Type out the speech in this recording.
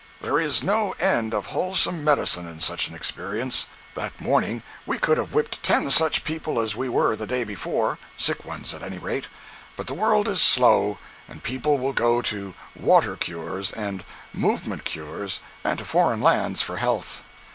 There is no end of wholesome medicine in such an experience. That morning we could have whipped ten such people as we were the day before—sick ones at any rate. But the world is slow, and people will go to "water cures" and "movement cures" and to foreign lands for health.